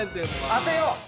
当てよう！